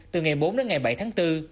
từ ngày bốn đến ngày bảy tháng bốn